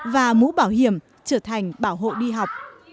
và mũ bảo hiểm trở thành bảo hộ đi học